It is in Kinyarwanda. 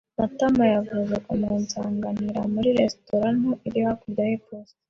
Matama yavuze kumusanganira muri resitora nto iri hakurya y’iposita.